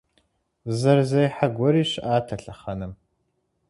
Зы зэрызехьэ гуэри щыӏат а лъэхъэнэм.